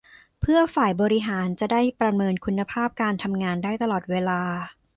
เพื่อฝ่ายบริหารจะได้ประเมินคุณภาพการทำงานได้ตลอดเวลา